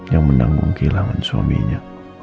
yang menanggung kehilangan suaminya